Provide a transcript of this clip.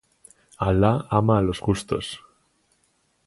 Allah ama a los justos.